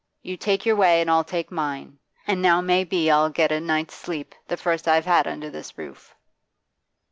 You take your way, an' I'll take mine. An' now may be I'll get a night's sleep, the first I've had under this roof.